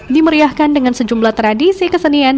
dimeriahkan dengan sejumlah tradisi kesenian